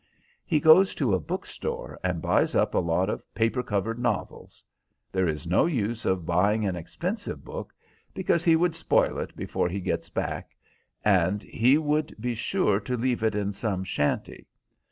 He goes to a book store and buys up a lot of paper covered novels. There is no use of buying an expensive book, because he would spoil it before he gets back, and he would be sure to leave it in some shanty.